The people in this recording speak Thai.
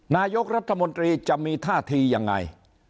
นายกรัฐมนตรีจะมีท่าทียังไง